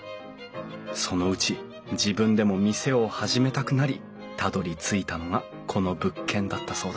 そのうち自分でも店を始めたくなりたどりついたのがこの物件だったそうだ